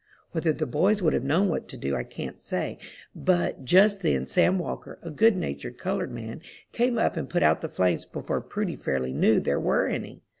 Whether the boys would have known what to do, I can't say; but just then Sam Walker, a good natured colored man, came up and put out the flames before Prudy fairly knew there were any.